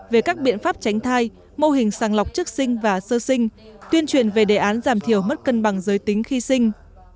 về các biện pháp tránh thai mô hình sàng lọc trước sinh và sơ sinh tuyên truyền về đề án giảm thiểu mất cân bằng giới tính khi sinh